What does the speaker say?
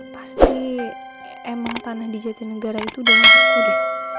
pasti emang tanah di jati negara itu udah nangis udah